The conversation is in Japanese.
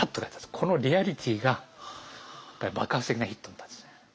このリアリティーが爆発的なヒットになったんです。